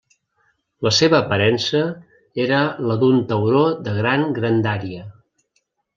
La seva aparença era la d'un tauró de gran grandària.